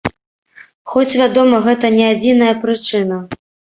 Хоць, вядома, гэта не адзіная прычына.